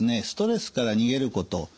ストレスから逃げること